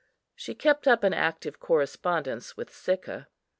She kept up an active correspondence with Sicca.